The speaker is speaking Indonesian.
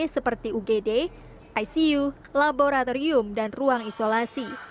seperti ugd icu laboratorium dan ruang isolasi